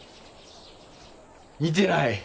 似てない。